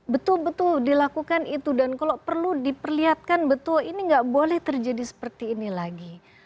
betul betul dilakukan itu dan kalau perlu diperlihatkan betul ini nggak boleh terjadi seperti ini lagi